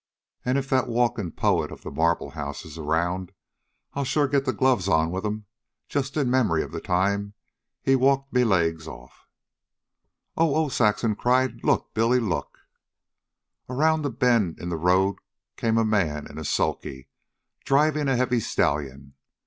"An' if that walkin' poet of the Marble House is around, I'll sure get the gloves on with 'm just in memory of the time he walked me off my legs " "Oh! Oh!" Saxon cried. "Look, Billy! Look!" Around a bend in the road came a man in a sulky, driving a heavy stallion.